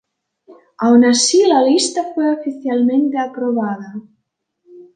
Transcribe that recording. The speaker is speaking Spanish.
Aun así, la lista fue oficialmente aprobada.